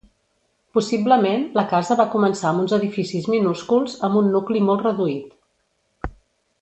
Possiblement la casa va començar amb uns edificis minúsculs, amb un nucli molt reduït.